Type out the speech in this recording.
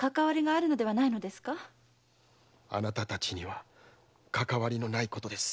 あなた達にはかかわりのないことです。